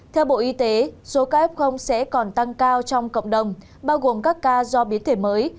theo bộ y tế số ca f sẽ còn tăng cao trong cộng đồng bao gồm các ca do biến thể mới